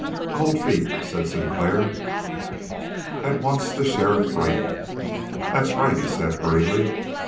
"Cold Feet," said Sinclair. At once the sheriff brightened. "That's right," he said hurriedly.